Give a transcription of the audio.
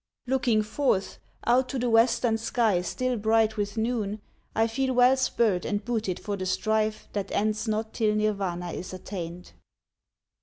Looking forth, Out to the western sky still bright with noon, I feel well spurred and booted for the strife That ends not till Nirvana is attained.